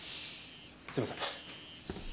すいません。